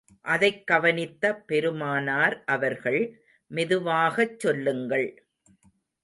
அதைக் கவனித்த பெருமானார் அவர்கள், மெதுவாகச் சொல்லுங்கள்.